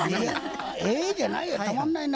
えじゃないよたまんないな。